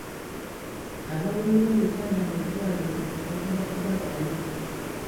Abaweebwa ebitanda mu ddwaliro batera kuba bayi.